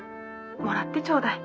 もらってちょうだい。